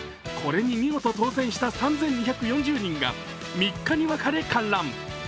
これに見事当選した３２４０人が３日に分かれ観覧。